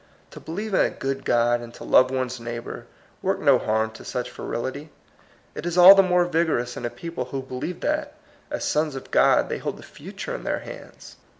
To believe in a good God and to love one's neighbor work no harm to such virility. It is all the more vigorous in a people who believe that, as sons of God, they hold the future in their hands.